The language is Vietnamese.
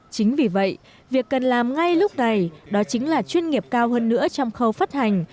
chính vì vậy việc cần làm ngay lúc này đó chính là chuyên nghiệp cao hơn nữa trong khâu phát hành